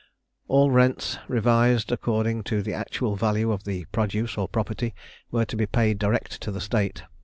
All rents, revised according to the actual value of the produce or property, were to be paid direct to the State.